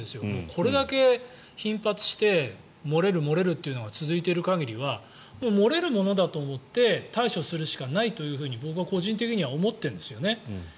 これだけ頻発して漏れる、漏れるというのが続いている限りはもう漏れるものだと思って対処するしかないというふうに僕は個人的には思ってるんですね。